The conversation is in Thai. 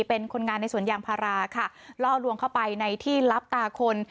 เป็นคนงานในสวนยางพาราค่ะล่อลวงเข้าไปในที่รับตาคน